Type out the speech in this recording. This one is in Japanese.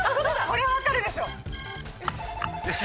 これは分かるでしょ。